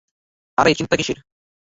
আরে, চিন্তা কীসের?